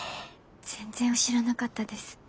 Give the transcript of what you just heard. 全然知らなかったです。